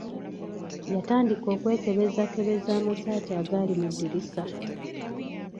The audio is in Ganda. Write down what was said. Yatandika okwekebezakebeza amasaati agaali mu ddirisa.